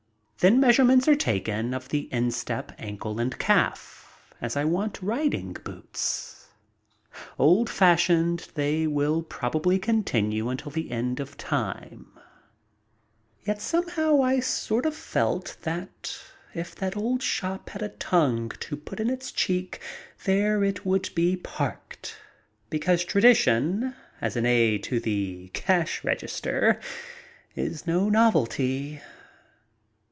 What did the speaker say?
Then measurements are taken of the instep, ankle and calf, as I want riding boots. Old fashioned they will probably continue until the end of time, yet somehow I sort of felt that if that old shop had a tongue to put in its cheek, there it would be parked, because tradi tion, as an aid to the cash register, is no novelty.